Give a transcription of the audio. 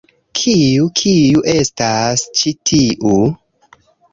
Kiu... kiu estas ĉi tiu?